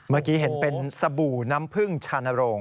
เมื่อกี้เห็นเป็นสบู่น้ำผึ้งชานโรง